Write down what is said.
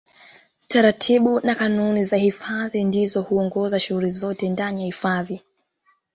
Taratibu na kanuni za hifadhi ndizo huongoza shughuli zote ndani ya hifadhi